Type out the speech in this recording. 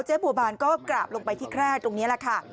บัวบานก็กราบลงไปที่แคร่ตรงนี้แหละค่ะ